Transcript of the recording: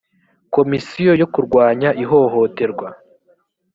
komisiyo yo kurwanya ihohoterwa.